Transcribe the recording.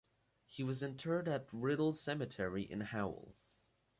He was interred at Riddle Cemetery in Howell.